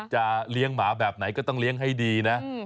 จะเลี้ยงหมาแบบไหนก็ต้องเลี้ยงให้ดีนะ